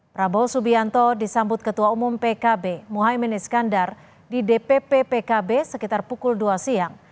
prabowo subianto disambut ketua umum pkb muhaymin iskandar di dpp pkb sekitar pukul dua siang